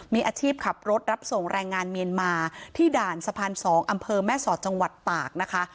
มีอาชีพขับรถรับส่งแรงงานเมียนมาที่ด่านสะพาน๒อำเภอแม่สอดจังหวัดตากนะคะ